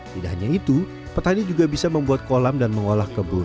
tidak hanya itu petani juga bisa membuat kolam dan mengolah kebun